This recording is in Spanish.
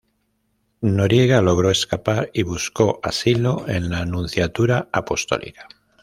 Noriega logró escapar y buscó asilo en la Nunciatura Apostólica.